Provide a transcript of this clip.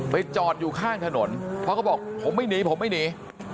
จอดอยู่ข้างถนนเพราะเขาบอกผมไม่หนีผมไม่หนี